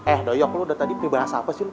eh doyok lo udah tadi pembahasa apa sih lo